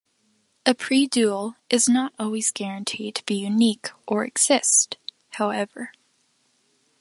A predual is not always guaranteed to be unique or exist, however.